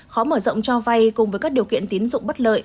khó mở rộng cho vay cùng với các điều kiện tín dụng bất lợi